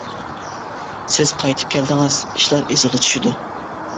سىز قايتىپ كەلدىڭىز ئىشلار ئىزىغا چۈشىدۇ.